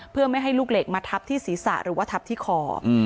เพื่อไม่ให้ลูกเหล็กมาทับที่ศีรษะหรือว่าทับที่คอ